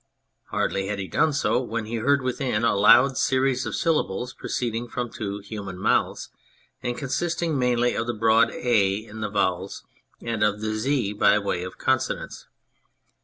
Hardly had he done so when he heard within a loud series of syllables proceeding from two human mouths and consisting mainly of the broad A in the vowels and of Z by way of the consonants.